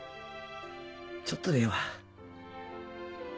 ちょっとでええわ。